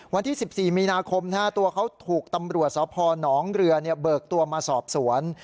วันที่๑๔มีนาคมตัวเขาถูกตำรวจสพนเรือเบิกตัวมาสอบสวน